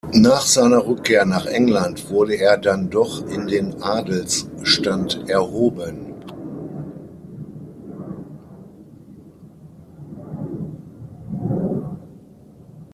Nach seiner Rückkehr nach England wurde er dann doch in den Adelsstand erhoben.